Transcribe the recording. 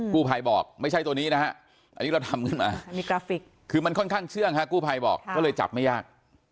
กู้ไพบอกไม่ใช่ตัวนี้นะฮะอันนี้เราทำขึ้นมาก็เลยจับไม่ยาก